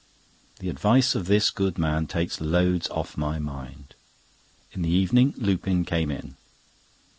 The advice of this good man takes loads off my mind. In the evening Lupin came in.